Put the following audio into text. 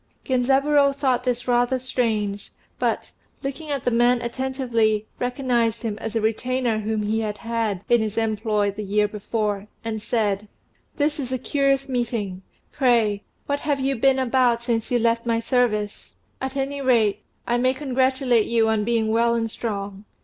Genzaburô thought this rather strange; but, looking at the man attentively, recognized him as a retainer whom he had had in his employ the year before, and said "This is a curious meeting: pray, what have you been about since you left my service? At any rate, I may congratulate you on being well and strong.